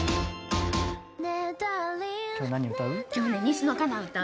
今日何歌う？